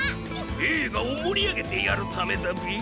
えいがをもりあげてやるためだビ。